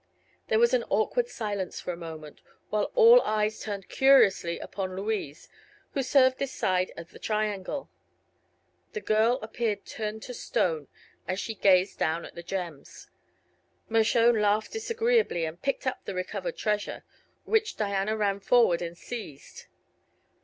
There was an awkward silence for a moment, while all eyes turned curiously upon Louise, who served this side of the triangle. The girl appeared turned to stone as she gazed down at the gems. Mershone laughed disagreeably and picked up the recovered treasure, which Diana ran forward and seized.